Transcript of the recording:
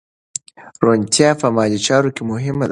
روڼتیا په مالي چارو کې مهمه ده.